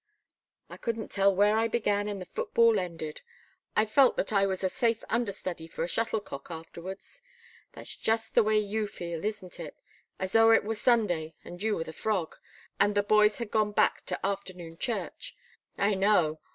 I couldn't tell where I began and the football ended I felt that I was a safe under study for a shuttlecock afterwards. That's just the way you feel, isn't it? As though it were Sunday, and you were the frog and the boys had gone back to afternoon church? I know!